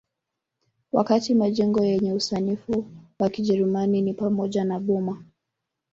Wakati majengo yenye usanifu wa Kijerumani ni pamoja na boma